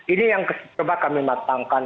ini yang coba kami matangkan